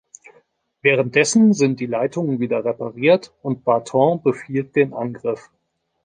Währenddessen sind die Leitungen wieder repariert und Barton befiehlt den Angriff.